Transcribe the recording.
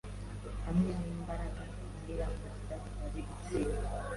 Hamwe nimbaraga nkeya gusa, yari gutsinda.